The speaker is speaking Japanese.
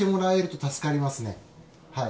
はい。